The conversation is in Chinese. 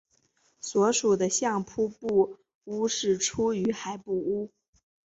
所属的相扑部屋是出羽海部屋。